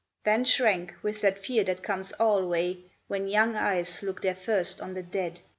Then shrank, with that fear that comes alway When young eyes look their first on the dead.